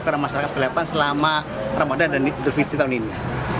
karena masyarakat balikpapan selama ramadan dan dutur fitri tahun ini